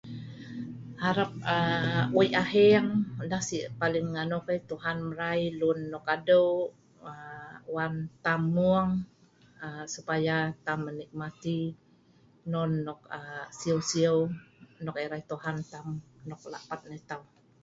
Harap wei aheng nah si paling anok ai Tuhan mrai lun nok adeu wan tam mung supaya tam menikmati non nok siu-siu Nok erai Tuhan nok lakpat nai tau